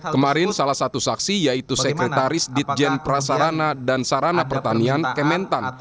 kemarin salah satu saksi yaitu sekretaris ditjen prasarana dan sarana pertanian kementan